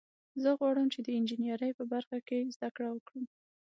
زه غواړم چې د انجینرۍ په برخه کې زده کړه وکړم